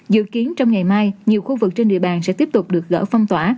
dự kiến trong ngày mai nhiều khu vực trên địa bàn sẽ tiếp tục được gỡ phong tỏa